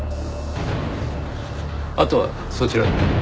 あとはそちらで。